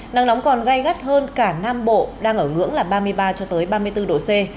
nắng nóng còn gây gắt hơn cả nam bộ đang ở ngưỡng là ba mươi ba cho tới ba mươi bốn độ c